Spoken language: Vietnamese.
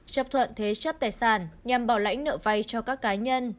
chấp thuận thế chấp tài sản nhằm bảo lãnh nợ vay cho các cá nhân